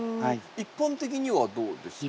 一般的にはどうですか？